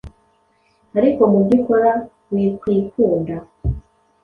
ariko mu byo ukora wikwikunda